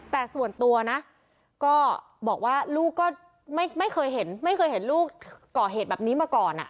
แต่ส่วนตัวนะก็บอกว่าลูกก็ไม่เคยเห็นไม่เคยเห็นลูกก่อเหตุแบบนี้มาก่อน